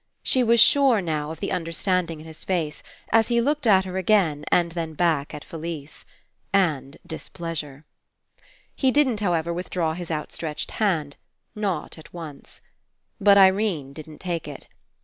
She was sure, now, of the understanding in his face, as he looked at her again and then back at Felise. And displeasure. He didn't, however, withdraw his out stretched hand. Not at once. But Irene didn't take it.